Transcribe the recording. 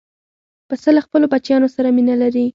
پسه له خپلو بچیانو سره مینه لري.